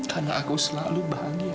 karena aku selalu bahagia